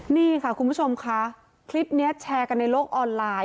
นี่ค่ะคุณผู้ชมค่ะคลิปนี้แชร์กันในโลกออนไลน์